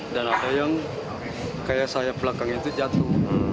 dan apa yang kayak sayap belakang itu jatuh